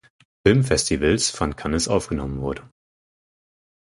Filmfestivals von Cannes aufgenommen wurde.